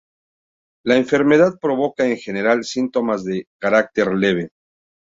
La enfermedad provoca en general síntomas de carácter leve.